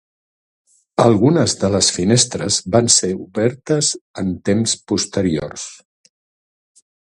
Algunes de les finestres van ser obertes en temps posteriors.